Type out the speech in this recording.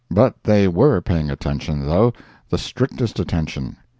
But they were paying attention, though—the strictest attention.